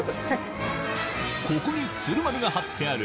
ここに鶴丸が貼ってある